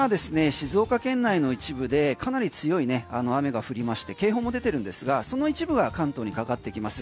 静岡県内の一部でかなり強い雨が降りまして警報も出てるんですがその一部が関東にかかってきます。